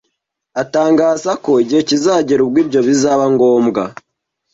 atangaza ko igihe kizagera ubwo ibyo bizaba ngombwa